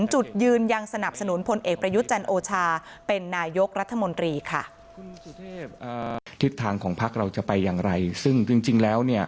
จุดยืนยังสนับสนุนพลเอกประยุทธ์จันทร์โอชา